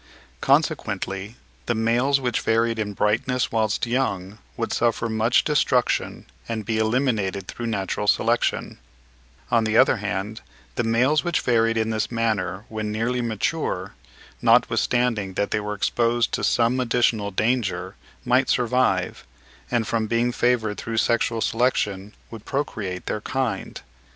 Consequently the males which varied in brightness whilst young would suffer much destruction and be eliminated through natural selection; on the other hand, the males which varied in this manner when nearly mature, notwithstanding that they were exposed to some additional danger, might survive, and from being favoured through sexual selection, would procreate their kind.